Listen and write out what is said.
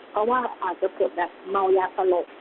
เพราะว่าอาจจะเกิดแบบเมายาตลก